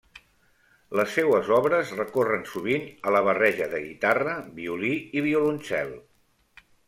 Les seues obres recorren sovint a la barreja de guitarra, violí i violoncel.